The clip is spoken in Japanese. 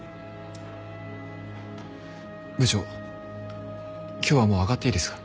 部長今日はもう上がっていいですか？